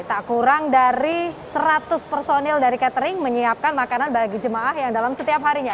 tak kurang dari seratus personil dari catering menyiapkan makanan bagi jemaah yang dalam setiap harinya